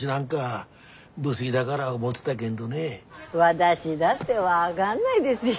私だって分がんないですよ。